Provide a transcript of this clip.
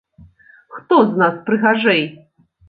Хто з нас прыгажэй?